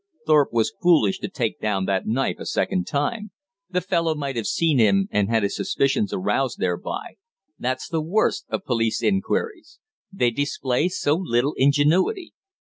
Thorpe was foolish to take down that knife a second time. The fellow might have seen him and had his suspicions aroused thereby. That's the worst of police inquiries. They display so little ingenuity.